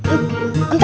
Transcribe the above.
aku bisa mencoba